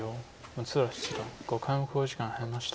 六浦七段５回目の考慮時間に入りました。